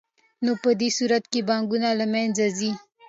نو په دې صورت کې بانکونه له منځه ځي